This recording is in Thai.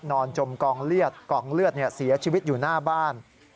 จมกองเลือดกองเลือดเสียชีวิตอยู่หน้าบ้าน